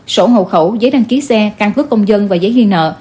sổ hồ khẩu giấy đăng ký xe căn cước công dân và giấy ghi nợ